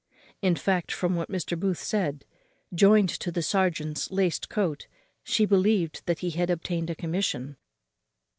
In fact, from what Mr. Booth said, joined to the serjeant's laced coat, she believed that he had obtained a commission.